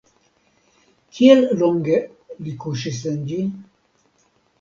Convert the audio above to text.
Kiel longe li kuŝis en ĝi?